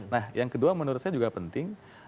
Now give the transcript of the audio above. nah yang kedua menurut saya juga penting